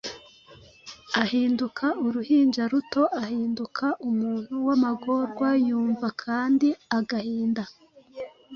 Ahinduka uruhinja ruto, Ahinduka umuntu wamagorwa, Yumva kandi agahinda.